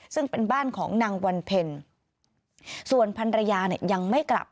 ซึ่งเป็นบ้านของนางวันเพ็ญส่วนพันรยาเนี่ยยังไม่กลับ